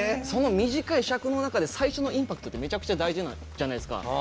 その短い尺の中で最初のインパクトってめちゃくちゃ大事じゃないですか。